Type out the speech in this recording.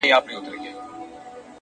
له هنداري څه بېــخاره دى لوېـــدلى ـ